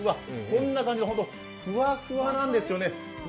こんな感じで、ホントふわふわなんですよね。